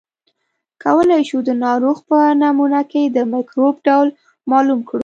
کولای شو د ناروغ په نمونه کې د مکروب ډول معلوم کړو.